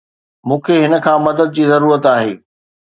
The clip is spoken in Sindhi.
مون کي هن کان مدد جي ضرورت آهي.